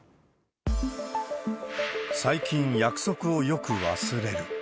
最近、約束をよく忘れる。